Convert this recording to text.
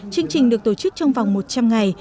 chương trình được tổ chức trong vòng một trăm linh ngày